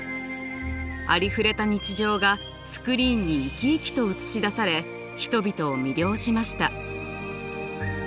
ありふれた日常がスクリーンに生き生きと映し出され人々を魅了しました。